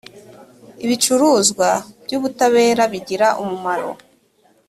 ibicuruzwa by’ ubutabire bigira umumaro.